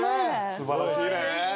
素晴らしいね。